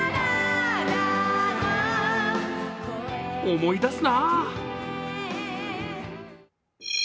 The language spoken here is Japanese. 思い出すな。